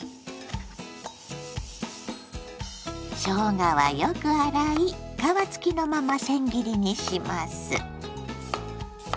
しょうがはよく洗い皮付きのまません切りにします。